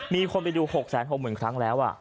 มีคนไปดู๖๖๐๐๐ครั้งแล้ว